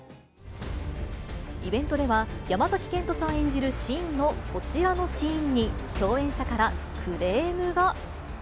イベントでは、山崎賢人さん演じる信のこちらのシーンに、共演者から、クレームが。